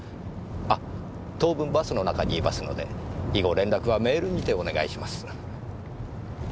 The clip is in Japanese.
あ当分バスの中にいますので以後連絡はメールにてお願いします。